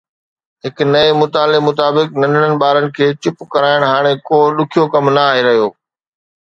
هڪ نئين مطالعي مطابق، ننڍڙن ٻارن کي چپ ڪرائڻ هاڻي ڪو ڏکيو ڪم ناهي رهيو